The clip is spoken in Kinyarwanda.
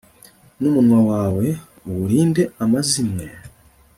n'umunwa wawe uwurinde amazimwe